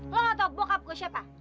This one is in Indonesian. lo gak tau bokap gue siapa